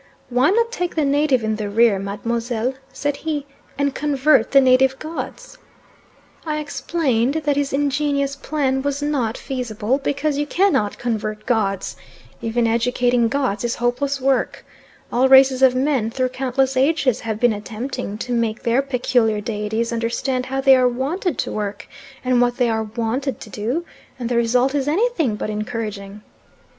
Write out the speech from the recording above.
"Why not take the native in the rear, Mademoiselle," said he, "and convert the native gods?" I explained that his ingenious plan was not feasible, because you cannot convert gods. Even educating gods is hopeless work. All races of men through countless ages, have been attempting to make their peculiar deities understand how they are wanted to work, and what they are wanted to do, and the result is anything but encouraging.